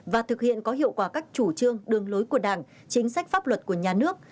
và thực hiện có hiệu quả các chủ trương đường lối của đảng chính sách pháp luật của nhà nước